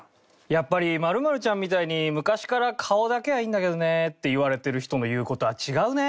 やっぱり○○ちゃんみたいに「昔から顔だけはいいんだけどね」って言われてる人の言う事は違うね！